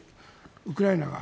ウクライナが。